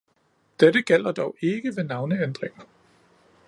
Dette gælder dog ikke ved navneændringer